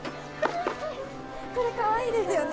これかわいいですよね